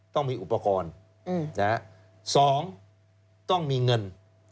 ต้องมีอุปกรณ์๒ต้องมีเงิน